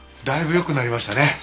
だいぶ良くなりましたね。